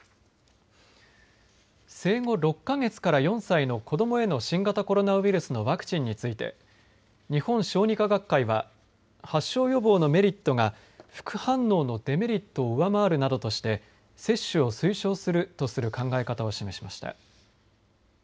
生後６か月から４歳の子どもへの新型コロナウイルスのワクチンについて日本小児科学会は発症予防のメリットが副反応のデメリットを上回るなどとして接種を推奨するとする考え方を示しました。